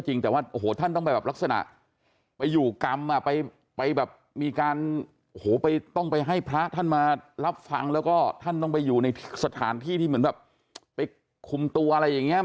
รับฟังแล้วก็ท่านต้องไปอยู่ในสถานที่ที่เหมือนแบบไปคุมตัวอะไรอย่างเงี้ย